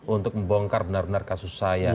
untuk membongkar benar benar kasus saya